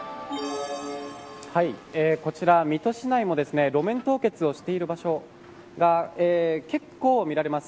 こちら、水戸市内も路面凍結をしている場所が結構、見られます。